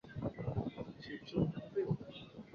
林志儒台湾新竹县客家人。